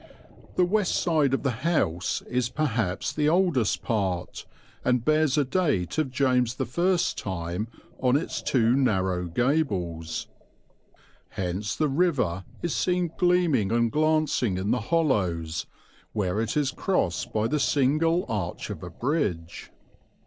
The west side of the house is perhaps the oldest part, and bears a date of James First's time on its two narrow gables. Hence the river is seen gleaming and glancing in the hollows, where it is crossed by the single arch of a bridge.